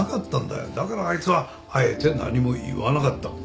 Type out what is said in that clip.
だからあいつはあえて何も言わなかった